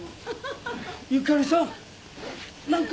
ゆかりさん。